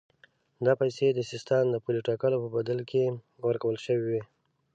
دا پیسې د سیستان د پولې ټاکلو په بدل کې ورکول شوې وې.